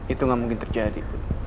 itu gak mungkin terjadi